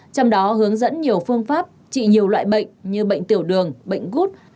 trong đó hướng dẫn nhiều phương pháp trị nhiều loại bệnh như bệnh tiểu đường bệnh gút